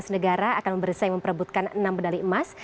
tujuh belas negara akan bersaing memperebutkan enam medali emas